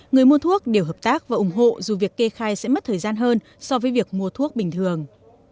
người mua thuốc đều hợp tác và ủng hộ dù việc kê khai sẽ mất thời gian hơn so với việc mua thuốc bình thường